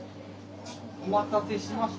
お待たせしました。